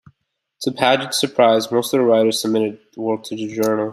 To Padgett's surprise, most of the writers submitted work to the journal.